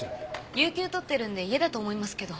有休取ってるんで家だと思いますけど。